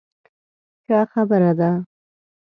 ښه خبره ده.